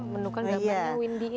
menemukan gambar windy ini